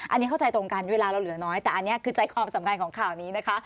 อันนี้เข้าใจตรงกันเวลาเราเหลือน้อยแต่อันนี้คือใจความสำคัญของข่าวนี้นะคะ